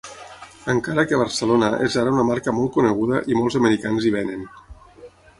Encara que Barcelona és ara una marca molt coneguda i molts americans hi venen.